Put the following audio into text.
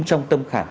trong tâm khảm